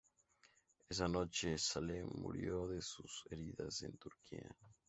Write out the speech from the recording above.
Esa noche, Saleh murió de sus heridas en Turquía.